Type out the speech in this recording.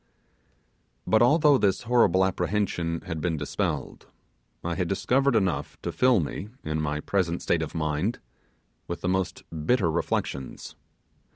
But although this horrible apprehension had been dispelled, I had discovered enough to fill me, in my present state of mind, with the most bitter reflections.